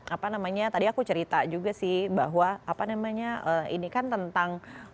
apa namanya tadi aku cerita juga sih bahwa apa namanya ini kan tentang